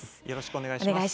お願いします。